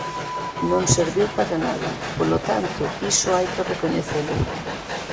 Non serviu para nada, polo tanto, iso hai que recoñecelo.